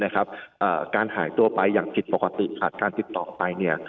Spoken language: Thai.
การหายตัวไปอย่างผิดปกติขาดการติดต่อไป